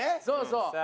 そうそう。